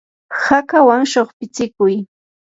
hakawan shuqpitsikuy.